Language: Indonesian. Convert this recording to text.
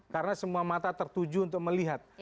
karena semua mata tertuju untuk melihat